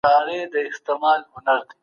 تېر اختر ټولو خلګو په پوره نېکمرغۍ ولمانځه.